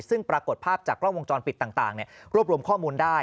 ซึ่งปรากฏภาพจากกล้องวงจรปิดต่างรวบรวมข้อมูลได้